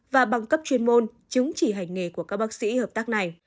và bằng cấp chuyên môn chứng chỉ hành nghề của các bác sĩ hợp tác này